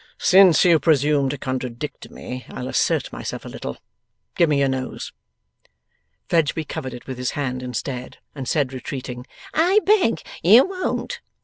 'Since you presume to contradict me, I'll assert myself a little. Give me your nose!' Fledgeby covered it with his hand instead, and said, retreating, 'I beg you won't!